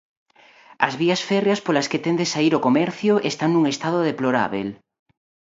As vías férreas polas que ten de saír o comercio están nun estado deplorábel.